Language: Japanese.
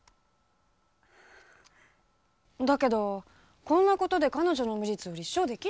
だけどこんな事で彼女の無実を立証出来るのかな？